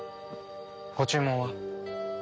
ご注文は？